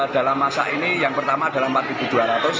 dalam masa ini yang pertama adalah rp empat dua ratus